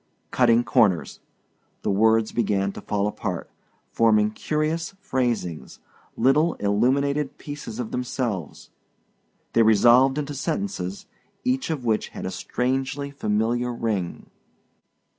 Cutting corners the words began to fall apart, forming curious phrasings little illuminated pieces of themselves. They resolved into sentences, each of which had a strangely familiar ring.